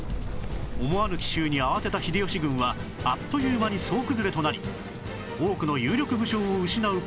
思わぬ奇襲に慌てた秀吉軍はあっという間に総崩れとなり多くの有力武将を失う事に